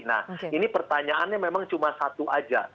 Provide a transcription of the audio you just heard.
nah ini pertanyaannya memang cuma satu aja